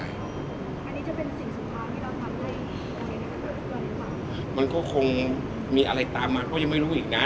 อันนี้จะเป็นสิ่งสุดท้ายที่เราทำให้มันก็คงมีอะไรตามมาก็ยังไม่รู้อีกนะ